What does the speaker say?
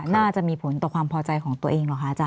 น่าจะมีผลต่อความพอใจของตัวเองเหรอคะอาจาร